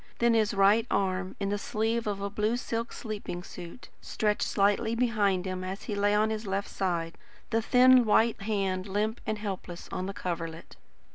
Then his right arm in the sleeve of a blue silk sleeping suit, stretched slightly behind him as he lay on his left side, the thin white hand limp and helpless on the coverlet.